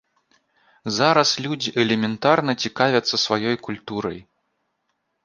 Зараз людзі элементарна цікавяцца сваёй культурай.